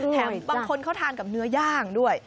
บางคนเขาทานกับเนื้อย่างด้วย